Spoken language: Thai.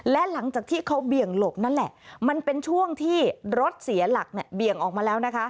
และหลังจากที่เขาเบี่ยงหลบนั่นแหละมันเป็นช่วงที่รถเสียหลักเนี่ยเบี่ยงออกมาแล้วนะคะ